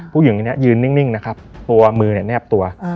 ผู้หญิงคนนี้ยืนนิ่งนะครับมือแนบตัว